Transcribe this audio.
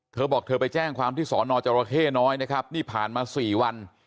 เธอบอกเธอไปแจ้งความที่สอนอจรเข้น้อยนะครับนี่ผ่านมา๔วัน